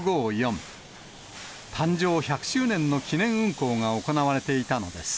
誕生１００周年の記念運行が行われていたのです。